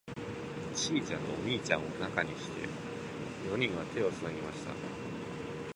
ちいちゃんとお兄ちゃんを中にして、四人は手をつなぎました。